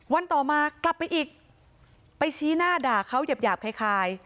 วันต่อมากลับไปอีกไปชี้หน้าด่าเขาหยาบหยาบคล้ายคล้าย